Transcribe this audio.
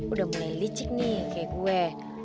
udah mulai licik nih kayak gue